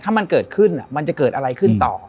ถ้ามันเกิดขึ้นมันจะเกิดอะไรขึ้นต่อ